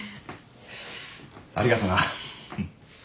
ありがとな。